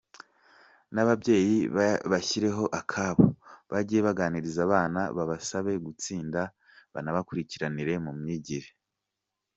N’ababyeyi bashyireho akabo bage baganiriza abana babasabe gutsinda banabakurikirane mu myigire.